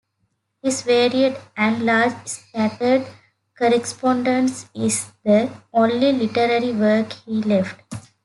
His varied and large scattered correspondence is the only literary work he left.